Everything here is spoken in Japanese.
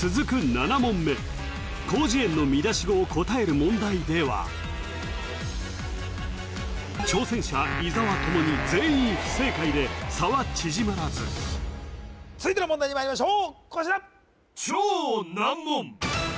７問目広辞苑の見出し語を答える問題では挑戦者伊沢ともに全員不正解で差は縮まらず続いての問題にまいりましょうこちら